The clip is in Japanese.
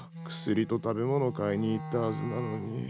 薬と食べ物買いに行ったはずなのに。